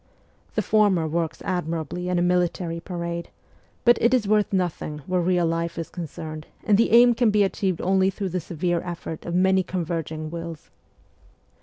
The former works admirably in a military parade, but it is worth nothing where real life is concerned and the aim can be achieved only through the severe effort of many converging wills.